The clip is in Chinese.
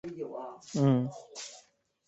但是最终的结果与最初的状态却又不同。